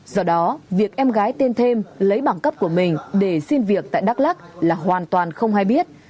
do đó việc em gái tên thêm lấy bằng cấp của mình để xin việc tại đắk lắc là hoàn toàn không hay biết